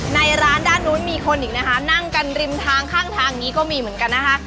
ในร้านด้านนู้นมีคนอีกนะคะนั่งกันริมทางข้างทางอย่างนี้ก็มีเหมือนกันนะคะ